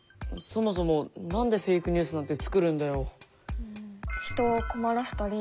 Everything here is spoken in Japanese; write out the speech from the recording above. そもそも何でフェイクニュースなんてつくるんだよ。